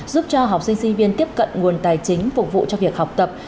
giúp cho học sinh sinh viên tiếp cận nguồn tài chính phục vụ cho việc học tập